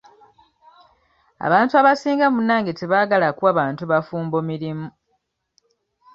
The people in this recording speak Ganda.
Abantu abasinga munnange tebaagala kuwa bantu bafumbo mirimu.